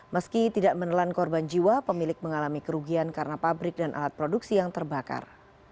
meski tidak menelan korban jiwa pemilik mengalami kerugian karena pabrik dan alat produksi yang terbakar